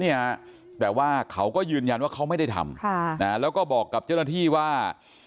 เนี่ยแต่ว่าเขาก็ยืนยันว่าเขาไม่ได้ทำค่ะนะแล้วก็บอกกับเจ้าหน้าที่ว่า